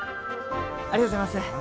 ありがとうございます。